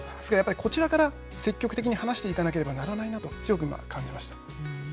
こちらから積極的に話していかなければならないなと強く感じました。